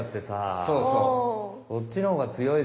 そうそう。